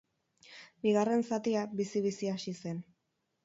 Bigarren zatia bizi-bizi hasi zen.